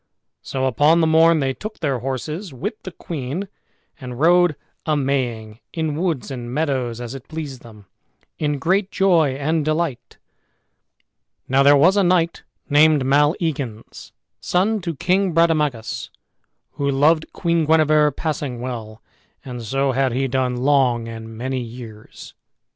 So upon the morn they took their horses with the queen, and rode a maying in woods and meadows, as it pleased them, in great joy and delight. Now there was a knight named Maleagans, son to King Brademagus, who loved Queen Guenever passing well, and so had he done long and many years.